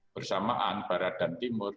bersamaan barat dan timur